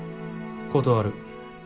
断る。